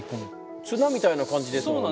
綱みたいな感じですもんね。